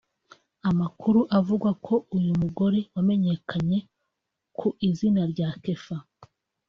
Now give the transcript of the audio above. Amakuru avuga ko uyu mugore wamenyekanye ku izina rya Kefa